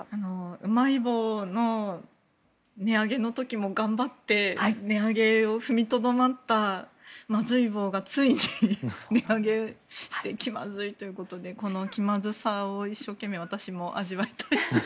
うまい棒の値上げの時も頑張って値上げを踏みとどまったまずい棒がついに値上げして気まずいということでこの気まずさを一生懸命私も味わいたい。